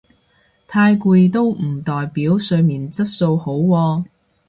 太攰都唔代表睡眠質素好喎